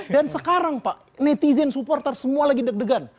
dan sekarang pak netizen supporter semua lagi deg degan